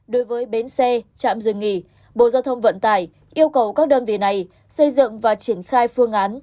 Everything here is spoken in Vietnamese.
đối với bến xe trạm dừng nghỉ bộ giao thông vận tải yêu cầu các đơn vị này xây dựng và triển khai phương án